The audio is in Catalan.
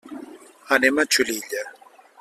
Anem a Xulilla.